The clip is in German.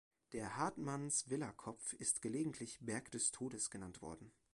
Der Hartmannswillerkopf ist gelegentlich „Berg des Todes“ genannt worden.